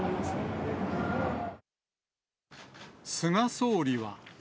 菅総理は。